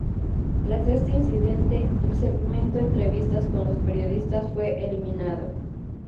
Tras este incidente el segmento entrevistas con los periodistas fue eliminado.